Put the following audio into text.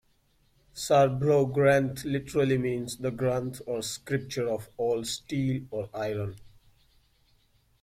Sarbloh Granth literally means "the Granth or Scripture of all-steel or iron".